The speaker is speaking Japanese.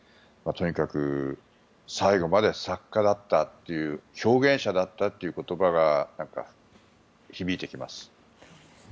とにかく最後まで作家だったという表現者だったという言葉がなんか響いてきます。